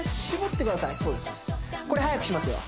これ速くしますよ